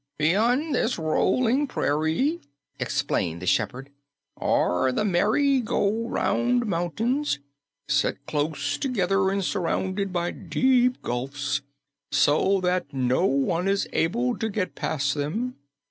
"Beyond this Rolling Prairie," explained the shepherd, "are the Merry Go Round Mountains, set close together and surrounded by deep gulfs so that no one is able to get past them.